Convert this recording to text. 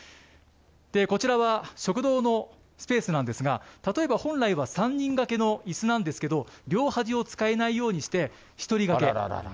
こちらは食堂のスペースなんですが、例えば本来は３人掛けのいすなんですけど、両端を使えないようにして、１人掛け。